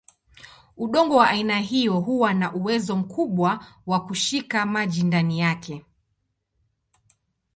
Udongo wa aina hiyo huwa na uwezo mkubwa wa kushika maji ndani yake.